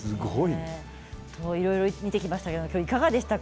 いろいろ見てきましたけどいかがでしたか。